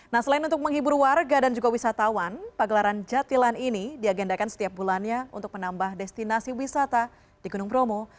nah selain untuk menghibur warga dan juga wisatawan pagelaran jatilan ini diagendakan setiap bulannya untuk menambah destinasi wisata di gunung bromo